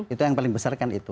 itu yang paling besar kan itu